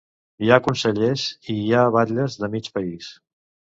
Hi ha consellers, hi ha batlles de mig país.